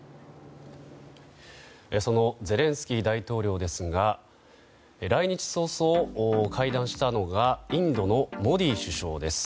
そのゼレンスキー大統領ですが来日早々、会談したのがインドのモディ首相です。